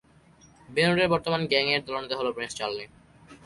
Ben উডের বর্তমান gang এর দলনেতা হল প্রিন্স চার্লি।